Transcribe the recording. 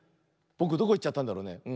ぼくどこいっちゃったんだろうね。